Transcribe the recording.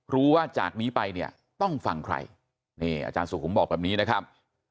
รู้ว่าจากนี้ไปเนี่ยต้องฟังใครนี่อาจารย์สุขุมบอกแบบนี้นะครับ